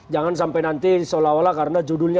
jangan sampai nanti seolah olah karena judulnya